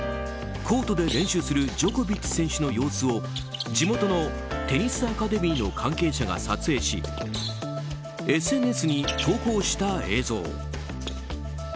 コートで練習するジョコビッチ選手の様子を地元のテニスアカデミーの関係者が撮影しＳＮＳに投稿した映像。